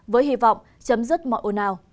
với hy vọng chấm dứt mọi ổn hảo